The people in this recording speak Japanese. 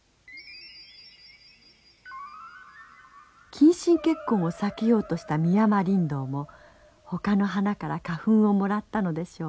近親結婚を避けようとしたミヤマリンドウもほかの花から花粉をもらったのでしょう。